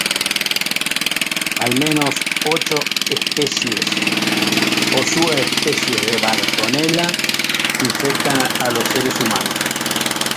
Al menos ocho especies o subespecies de "Bartonella" infectan a los seres humanos.